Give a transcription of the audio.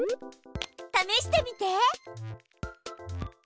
ためしてみて。